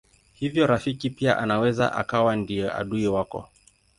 Hivyo rafiki pia anaweza akawa ndiye adui wako.